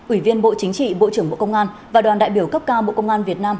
ủy viên bộ chính trị bộ trưởng bộ công an và đoàn đại biểu cấp cao bộ công an việt nam